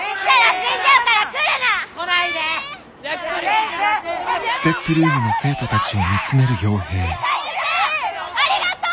先生ありがとう！